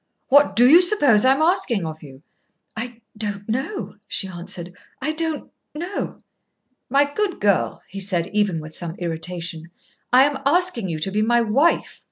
"What do you suppose I am asking of you?" "I don't know," she answered; "I don't know." "My good girl," he said, even with some irritation, "I am asking you to be my wife.